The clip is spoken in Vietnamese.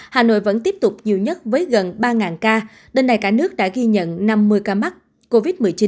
hà nội vẫn tiếp tục nhiều nhất với gần ba ca đêm nay cả nước đã ghi nhận năm mươi ca mắc covid một mươi chín